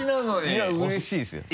いやうれしいですよ。